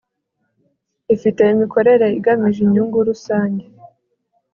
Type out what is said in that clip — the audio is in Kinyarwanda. ifite imikorere igamije inyungu rusange